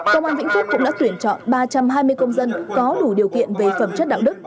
công an vĩnh phúc cũng đã tuyển chọn ba trăm hai mươi công dân có đủ điều kiện về phẩm chất đạo đức